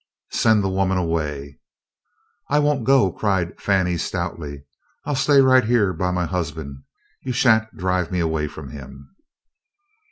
"Send the woman away." "I won't go," cried Fannie stoutly; "I 'll stay right hyeah by my husband. You sha'n't drive me away f'om him."